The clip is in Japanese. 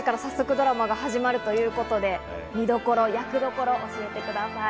今夜１０時から早速ドラマが始まるということで、見どころ、役どころを教えてください。